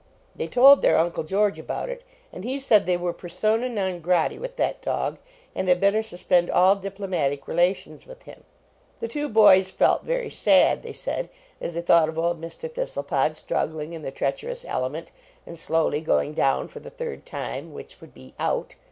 They told their Uncle George about it, and he said they were persona non grati with that dog and had better suspend all diplomatic relations with him. The two boys felt very sad, they said, as 105 JONAS; they thought of old Mr. Thistlepod strug gling in the treacherous element, and slowly going down for the third time, which would be " out."